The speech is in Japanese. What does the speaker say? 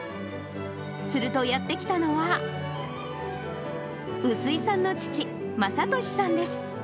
すると、やって来たのは、薄井さんの父、まさとしさんです。